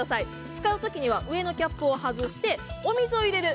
使うときには上のキャップを外してお水を入れる。